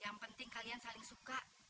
yang penting kalian saling suka